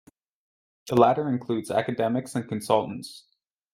The latter include academics and consultants.